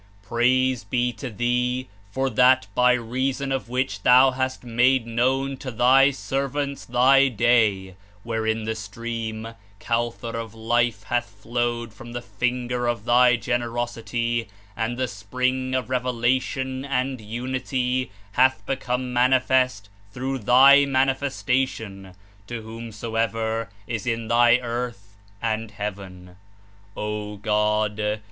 Praise be to Thee for that by reason of which Thou hast made known to Thy servants Thy Day, wherein the Stream (Kawther) of Life hath flowed from the Finger of Thy generosity and the Spring of Revelation and Unity hath become mani fest through Thy Manifestation to whomsoever is in Thy earth and heaven. "O God!